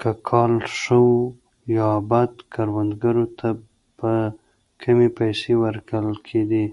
که کال ښه وو یا بد کروندګرو ته به کمې پیسې ورکول کېدې.